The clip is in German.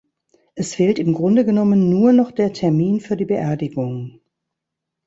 Es fehlt im Grunde genommen nur noch der Termin für die Beerdigung.